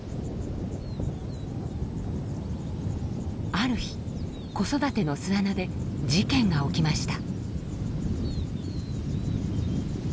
ある日子育ての巣穴で事件が起きました。